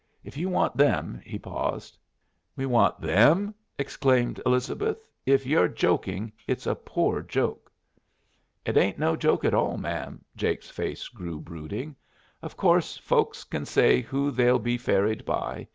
If you want them " He paused. "We want them!" exclaimed Elizabeth. "If you're joking, it's a poor joke." "It ain't no joke at all, ma'am." Jake's face grew brooding. "Of course folks kin say who they'll be ferried by.